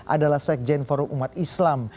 adalah sekjen forum umat islam